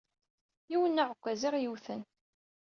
Yiwen n uɛekkaz ay aɣ-iwten.